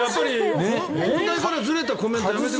本題からずれたコメントやめてください。